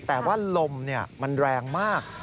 แต่ว่าลมมันแรงมาก